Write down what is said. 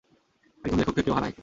একজন লেখককে কেউ হারায়?